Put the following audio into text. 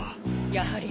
やはり。